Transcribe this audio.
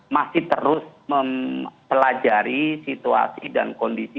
masih terus mempelajari situasi dan kondisi